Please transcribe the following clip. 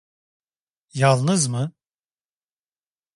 Yalnız mı?